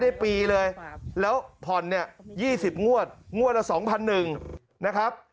ได้ปีเลยแล้วผ่อนเนี่ย๒๐งวด๒๑นาครับ